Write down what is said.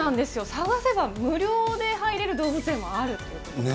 探せば無料で入れる動物園もあるということなんですね。